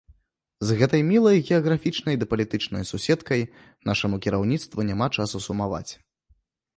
З гэтай мілай геаграфічнай ды палітычнай суседкай нашаму кіраўніцтву няма часу сумаваць.